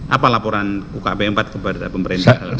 apa laporan ukb empat kepada pemerintah